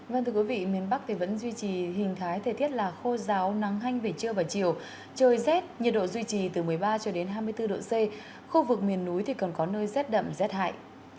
vâng thưa quý vị miền bắc vẫn duy trì hình thái thể thiết là khô ráo nắng hanh về trưa và chiều trời rét nhiệt độ duy trì từ một mươi ba hai mươi bốn độ c khu vực miền núi còn có nơi rét đậm rét hại